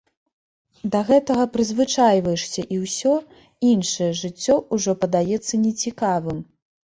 Да гэтага прызвычайваешся і ўсё, іншае жыццё ўжо падаецца нецікавым.